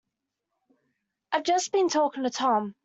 I've just been talking to Tom.